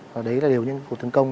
và đấy là điều những cuộc tấn công